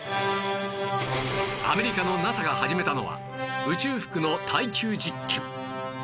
アメリカの ＮＡＳＡ が始めたのは宇宙服の耐久実験